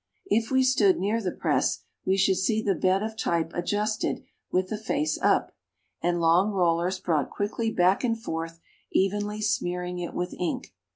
If we stood near the press, we should see the bed of type adjusted with the face up, and long rollers brought quickly back and forth, evenly smearing it with ink.